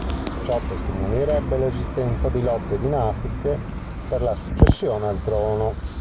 Ciò testimonierebbe l'esistenza di lotte dinastiche per la successione al trono.